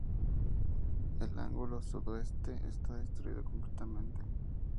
El ángulo sudoeste está destruido completamente.